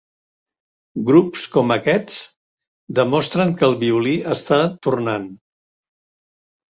Grups com aquests demostren que el violí està tornant.